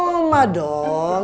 ih hapenya oma dong